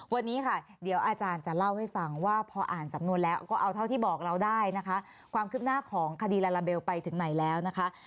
วันนี้ค่ะเดี๋ยวอาจารย์จะเล่าให้ฟังว่าพออ่านสำนวนแล้วก็เอาเท่าที่บอกเราได้นะคะความคืบหน้าของคดีลาลาเบลไปถึงไหนแล้วนะคะ